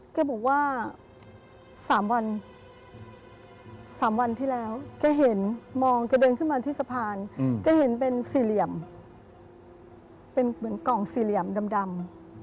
แกบอกว่า๓วัน๓วันที่แล้วแกเห็นมองแกเดินขึ้นมาที่สะพานแกเห็นเป็นสี่เหลี่ยมเป็นเหมือนกล่องสี่เหลี่ยมดำ